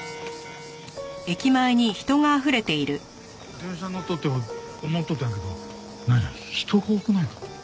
電車乗っとって思っとったんやけどなんや人が多くないか？